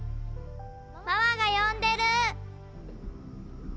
ママがよんでる。